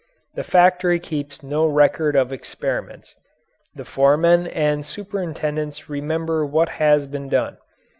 The factory keeps no record of experiments. The foremen and superintendents remember what has been done.